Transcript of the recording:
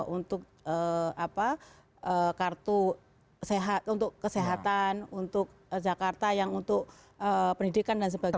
untuk kartu untuk kesehatan untuk jakarta yang untuk pendidikan dan sebagainya